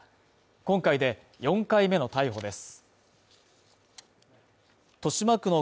今回で４回目の逮捕です。